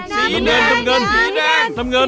สีแดงน้ำเงิน